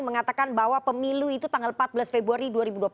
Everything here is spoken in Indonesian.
mengatakan bahwa pemilu itu tanggal empat belas februari dua ribu dua puluh empat